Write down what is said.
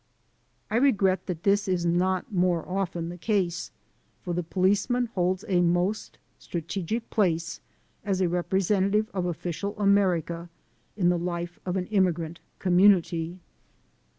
I regret that this is not more often the case, for the policeman holds a most strategic place, as a rep resentative of official America, in the life of an immigrant community.